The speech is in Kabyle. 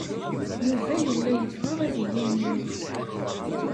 Yuba yella yebɣa ad iyi-ineɣ.